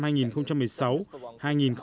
và tỉnh trắng san hô